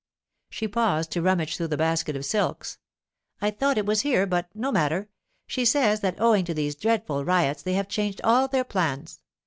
She paused to rummage through the basket of silks. 'I thought it was here, but no matter. She says that owing to these dreadful riots they have changed all their plans.